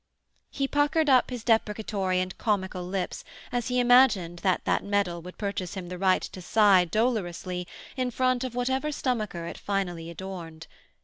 He puckered up his deprecatory and comical lips as he imagined that that medal would purchase him the right to sigh dolorously in front of whatever stomacher it finally adorned.